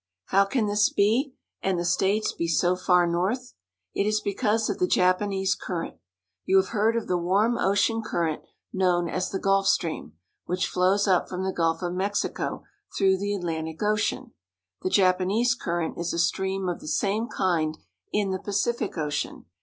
How can this be, and the states be so far north? It is because of the Japanese Current. You have heard of the warm ocean current, known as the Gulf Stream, which flows up from the Gulf of Mexico through the At lantic Ocean. The Japanese Current is a stream of the same kind in the Pacific Ocean.